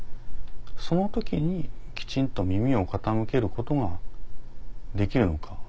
その時にきちんと耳を傾けることができるのか。